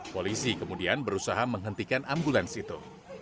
polisi kemudian berusaha menghentikan ambulans itu